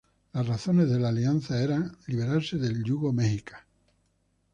Las razones de la alianza eran liberarse del yugo mexica.